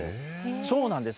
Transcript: そうなんです。